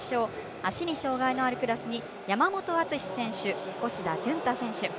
足に障がいのあるクラスに山本篤選手小須田潤太選手。